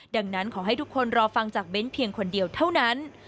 ดังนั้นขอให้ทุกคนรอฟังจากเบ้นเพียงคนเดียวเท่านั้น